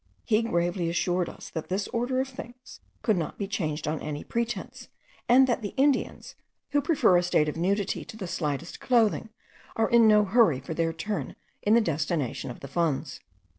He gravely assured us that this order of things could not be changed on any pretence, and that the Indians, who prefer a state of nudity to the slightest clothing, are in no hurry for their turn in the destination of the funds.